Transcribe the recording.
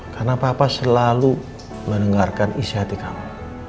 karena papa selalu mendengarkan isi hati kamu